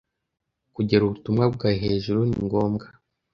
Kugera ubutumwa bwawe hejuru ni ngombwa